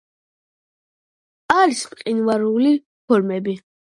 არის მყინვარული ფორმები.